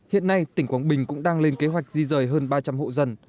hiện nay tỉnh quảng bình cũng đang lên kế hoạch di rời hơn ba trăm linh hộ dân